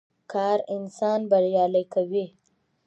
کار انسان بريالی کوي.